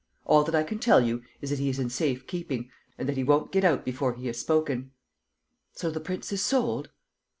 All that I can tell you is that he is in safe keeping, and that he won't get out before he has spoken." "So the prince is sold?"